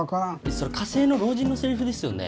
それ火星の老人のセリフですよね